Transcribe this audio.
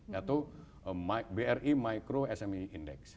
yaitu bri micro smi index